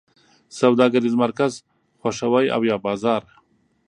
سوداګریز مرکز خوښوی او یا بازار؟